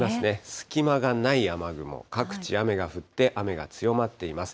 隙間がない雨雲、各地雨が降って、雨が強まっています。